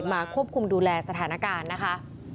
มาควบคุมดูแลสถานการณ์นะคะ